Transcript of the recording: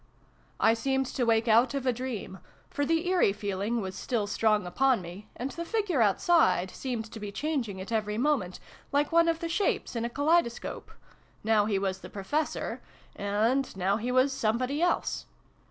" I seemed to wake out of a dream : for the ' eerie ' feeling was still strong upon me, and the figure outside seemed to be changing at every moment, like one of the shapes in a kaleidoscope : now he was the Professor, and now he was somebody else